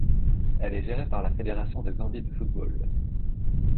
Elle est gérée par la Fédération de Gambie de football.